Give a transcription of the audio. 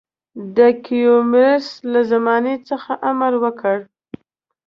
د کیومرث له زمانې څخه امر وکړ.